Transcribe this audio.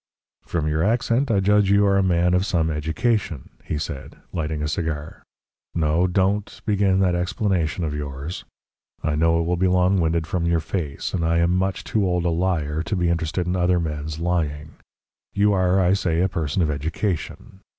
"From your accent I judge you are a man of some education," he said, lighting a cigar. "No DON'T begin that explanation of yours. I know it will be long winded from your face, and I am much too old a liar to be interested in other men's lying. You are, I say, a person of education.